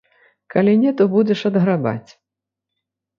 Калі не, то будзеш адграбаць.